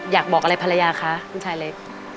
อยากบอกอะไรภรรยาคะคุณชายเล็ก